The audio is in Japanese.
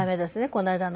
この間の。